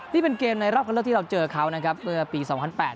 นี่เป็นเกมในรอบคันเลือกที่เราเจอเขานะครับเมื่อปี๒๐๐๘